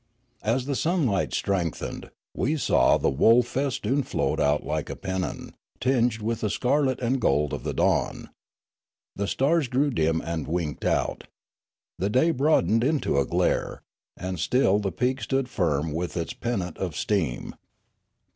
As the sunlight strengthened, they saw the wool festoon float out like a pennon, tinged with the scarlet and gold of the dawn. The stars grew dim and winked out. The day broad ened into a glare, and still the peak stood firm with its pennant of steam.